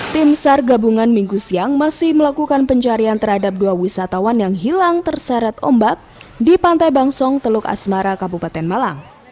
tim sar gabungan minggu siang masih melakukan pencarian terhadap dua wisatawan yang hilang terseret ombak di pantai bangsong teluk asmara kabupaten malang